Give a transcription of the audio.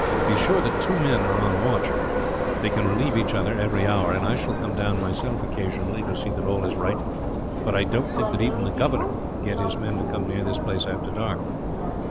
Be sure that two men are on watch. They can relieve each other, every hour; and I shall come down myself, occasionally, to see that all is right; but I don't think that even the governor could get his men to come near this place, after dark."